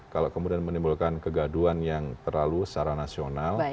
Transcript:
kalau kemudian menimbulkan kegaduan yang terlalu secara nasional